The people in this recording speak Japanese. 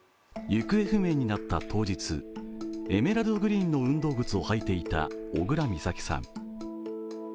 行方不明になった当日、エメラルドグリーンの運動靴を履いていた小倉美咲さん。